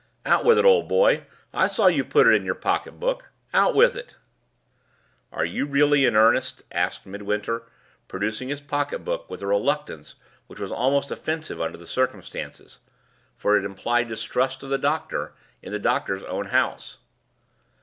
Out with it, old boy I saw you put it in your pocket book out with it!" "Are you really in earnest?" asked Midwinter, producing his pocketbook with a reluctance which was almost offensive under the circumstances, for it implied distrust of the doctor in the doctor's own house.